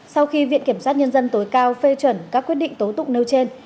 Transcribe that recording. sau khi viện kiểm soát nhân dân tối cao phê chuẩn các quyết định tố tục nêu trên